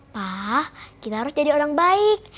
wah kita harus jadi orang baik